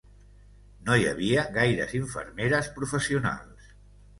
No hi havia gaires infermeres professionals